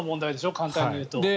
簡単に言うと。